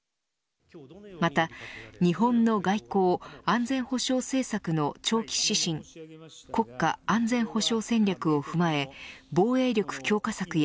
また日本の外交、安全保障政策の長期指針国家安全保障戦略を踏まえ防衛力強化策や